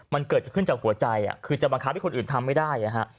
มันเกิดจะขึ้นจากหัวใจคือจะบังคับให้คนอื่นทำไม่ได้